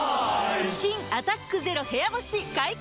新「アタックＺＥＲＯ部屋干し」解禁‼